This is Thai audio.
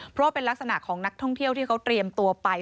เพราะว่าเป็นลักษณะของนักท่องเที่ยวที่เขาเตรียมตัวไป